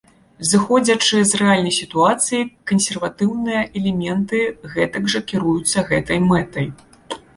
Зыходзячы з рэальнай сітуацыі, кансерватыўныя элементы гэтак жа кіруюцца гэтай мэтай.